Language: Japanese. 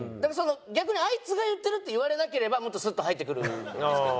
逆にあいつが言ってるって言われなければもっとスッと入ってくるんですけどね。